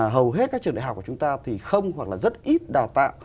hầu hết các trường đại học của chúng ta thì không hoặc là rất ít đào tạo